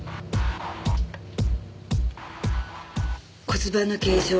骨盤の形状。